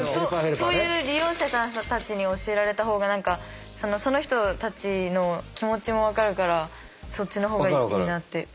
そういう利用者さんたちに教えられたほうがその人たちの気持ちも分かるからそっちの方がいいなって。